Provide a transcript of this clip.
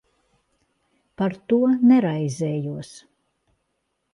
Par to neraizējos.